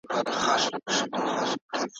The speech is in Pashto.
ايډيالوژي به تل د سياست لاره ټاکي.